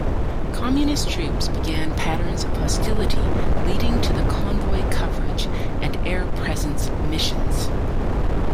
Communist troops began patterns of hostility leading to convoy coverage and "air presence" missions.